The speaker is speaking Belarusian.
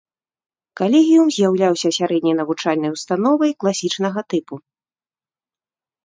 Калегіум з'яўляўся сярэдняй навучальнай установай класічнага тыпу.